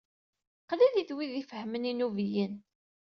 Qlilit wid ifehhmen inubiyen.